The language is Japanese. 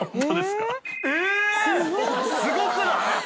すごくない？